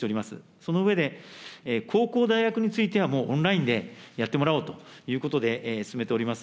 その上で、高校、大学については、もうオンラインでやってもらおうということで、進めております。